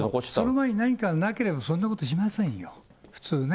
その前に何かなければ、そんなことしませんよ、普通ね。